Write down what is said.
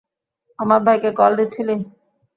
আমার ভাইকে কল দিছিলি?